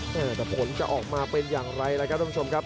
แต่ผลจะออกมาเป็นอย่างไรล่ะครับท่านผู้ชมครับ